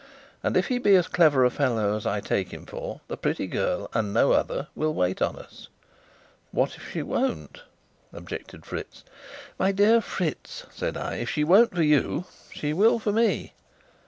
And if he be as clever a fellow as I take him for, the pretty girl and no other will wait on us." "What if she won't?" objected Fritz. "My dear Fritz," said I, "if she won't for you, she will for me."